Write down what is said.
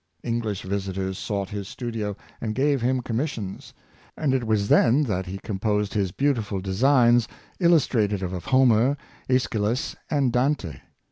English visitors sought his studio, and gave him commissions; and it was then that he composed his beautiful designs illustrative of Homer, ^schylus, and Dante.